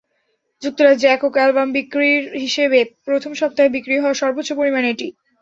যুক্তরাজ্যে একক অ্যালবাম বিক্রির হিসেবে প্রথম সপ্তাহে বিক্রি হওয়া সর্বোচ্চ পরিমাণ এটি।